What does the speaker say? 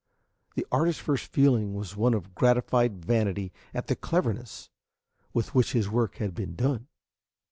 The artist's first feeling was one of gratified vanity at the cleverness with which his work had been done.